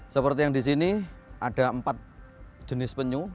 seperti yang di sini ada empat jenis penyu